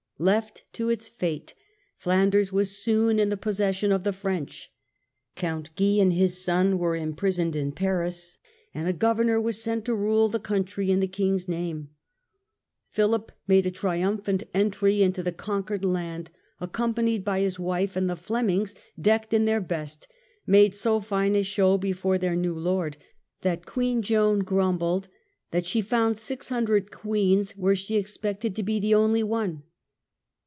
Left to its fate, Flanders was soon in the possession of the French ; Count Guy and his son were imprisoned in Paris, and a Governor was sent to rule the country in the King's name. Philip made a triumphant entry into the conquered land, accompanied by his wife, and the Flemings decked in their best made so fine a show before their new lord, that Queen Joan grumbled that she found 600 queens where she expected to be the only one.